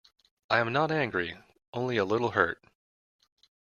I am not angry, only a little hurt.